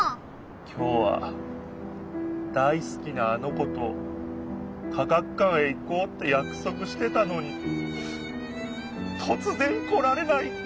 きょうは大すきなあの子と科学館へ行こうってやくそくしてたのにとつぜん来られないって。